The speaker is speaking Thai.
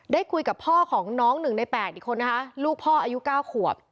ได้คุยกับพ่อของน้อง๑ใน๘อีกคนนะคะลูกพ่ออายุ๙ขวบ